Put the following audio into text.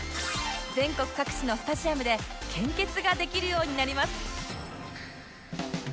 全国各地のスタジアムで献血ができるようになります